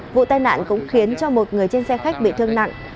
vụ tai nạn cũng khiến cho một người trên xe khách bị thương nặng